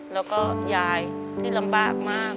แล้วก็ยายที่ลำบากมาก